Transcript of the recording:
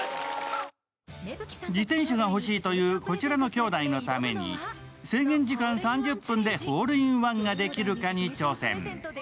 自転車が欲しいという、こちらの兄弟のために制限時間３０分でホールインワンができるかに挑戦。